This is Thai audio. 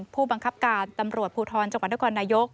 ผู้บังคับการตำรวจภูทรจักรวรรดิกวันตะกรณายก